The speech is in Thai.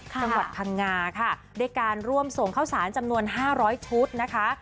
จังหวัดพังงาค่ะด้วยการร่วมส่งข้าวสารจำนวน๕๐๐ชุดนะคะ